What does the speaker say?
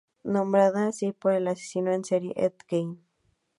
Nombrada así por el asesino en serie Ed Gein.